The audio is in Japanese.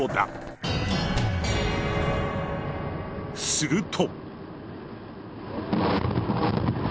すると！